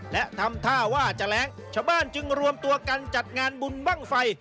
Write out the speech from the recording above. และทำท่าว่าจะแรงชาวบ้านจึงรวมตัวกันจัดงานบุญบ้างไฟ